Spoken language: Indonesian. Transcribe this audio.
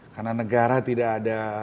karena negara tidak ada